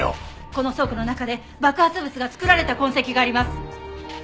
この倉庫の中で爆発物が作られた痕跡があります。